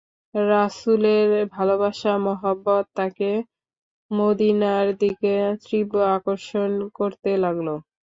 রাসূলের ভালবাসা মহব্বত তাঁকে মদীনার দিকে তীব্র আকর্ষণ করতে লাগল।